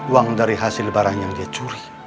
uang dari hasil barang yang dia curi